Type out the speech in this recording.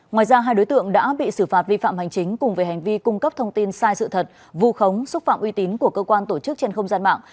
ngoài ra hai đối tượng đã bị xử phạt vi phạm hành chính cùng về hành vi cung cấp thông tin sai sự thật vù khống xúc phạm uy tín của cơ quan tổ chức trên không gian mạng